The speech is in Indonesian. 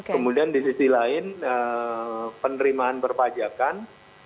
kemudian di sisi lain penerimaan perpajakan